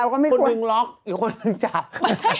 คนลุงล็อกอยู่คนลึงจับ